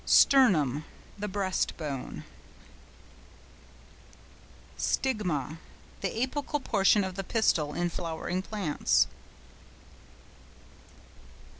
STERNUM.—The breast bone. STIGMA.—The apical portion of the pistil in flowering plants.